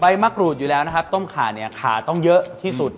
มะกรูดอยู่แล้วนะครับต้มขาเนี่ยขาต้องเยอะที่สุด